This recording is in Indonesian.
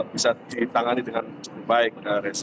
bisa ditangani dengan baik